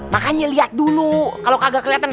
makanya liat dulu kalo kagak keliatan